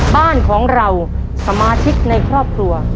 บ้านของเราสมาชิกในครอบครัว